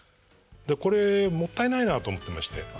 でこれもったいないなと思ってまして。